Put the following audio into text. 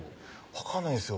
分かんないんですよ